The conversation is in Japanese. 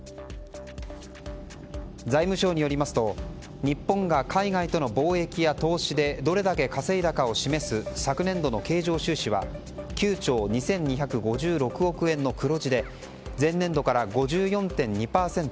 財務省によりますと日本が海外との貿易や投資でどれだけ稼いだかを示す昨年度の経常収支は９兆２２５６億円の黒字で前年度から５４．２％